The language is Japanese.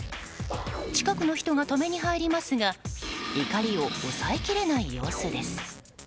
近くの人が止めに入りますが怒りを抑えきれない様子です。